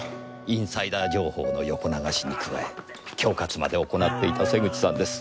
インサイダー情報の横流しに加え恐喝まで行っていた瀬口さんです。